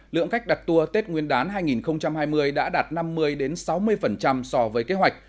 lượng khách đặt tour tết nguyên đán hai nghìn hai mươi đã đạt năm mươi sáu mươi so với kế hoạch